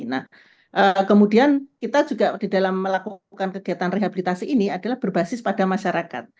nah kemudian kita juga di dalam melakukan kegiatan rehabilitasi ini adalah berbasis pada masyarakat